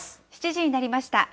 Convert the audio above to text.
７時になりました。